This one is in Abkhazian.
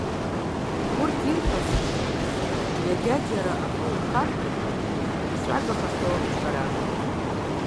Урҭ ирҳәозгьы, иагьаџьара ахы урхаргьы, игәыԥҵәагахахьоу ҽхәаран.